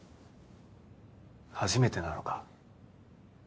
初めてなのか。